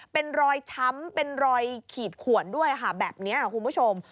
เป็นรอยช้ำเป็นรอยขีดขวนด้วยค่ะแบบนี้คุณผู้ชม